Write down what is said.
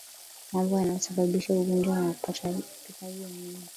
Mambo yanayosababisha ugonjwa wa utupaji mimba